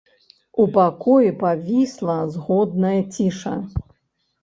У пакоі павісла згодная ціша.